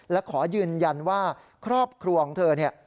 และขอยืนยันว่าครอบครัวของเธอเนี่ย